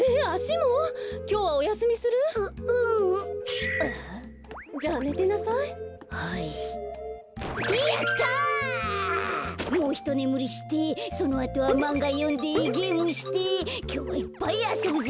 もうひとねむりしてそのあとはまんがよんでゲームしてきょうはいっぱいあそぶぞ！